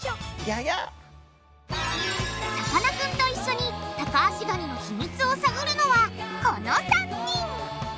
さかなクンと一緒にタカアシガニの秘密を探るのはこの３人。